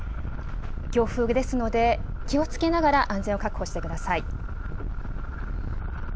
強風ですので、気をつけながら、安全を確保してください。